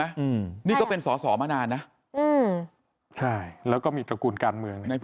อืมนี่ก็เป็นสอสอมานานนะอืมใช่แล้วก็มีตระกูลการเมืองใน